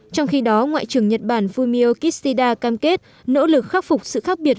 trong khi đó ngoại trưởng nhật bản fumio kishida cam kết nỗ lực khắc phục sự khác biệt